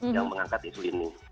yang mengangkat isu ini